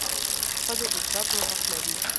ښځي د زده کړو حق لري.